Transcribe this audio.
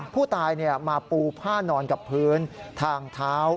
ผู้ตายมาปูผ้านอนกับพื้นทางเท้า